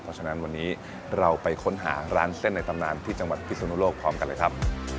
เพราะฉะนั้นวันนี้เราไปค้นหาร้านเส้นในตำนานที่จังหวัดพิศนุโลกพร้อมกันเลยครับ